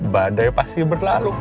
badai pasti berlalu